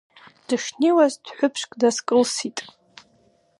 Дышнеиуаз дәҳәыԥшк дазкылсит.